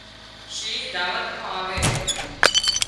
شينهن دعوت مان آوي